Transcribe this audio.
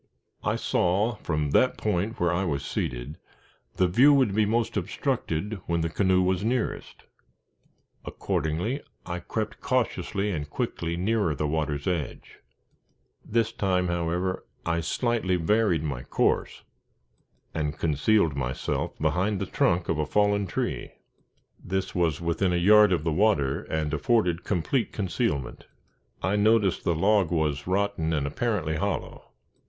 I saw from that point where I was seated, the view would be most obstructed when the canoe was nearest. Accordingly, I crept cautiously and quickly nearer the water's edge. This time, however, I slightly varied my course, and concealed myself behind the trunk of a fallen tree. This was within a yard of the water, and afforded complete concealment. I noticed the log was rotten and apparently hollow.